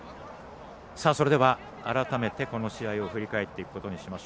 それでは、改めてこの試合を振り返ります。